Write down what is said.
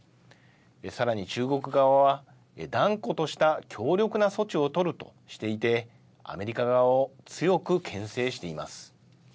さらに、中国側は断固とした強力な措置を取るとしていてアメリカ側を強くけん制しています。